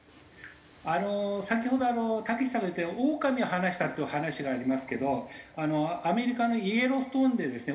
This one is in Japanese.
あの先ほどたけしさんが言った「オオカミを放した」という話がありますけどアメリカのイエローストーンでですね